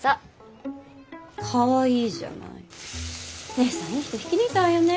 姉さんいい人引き抜いたわよね。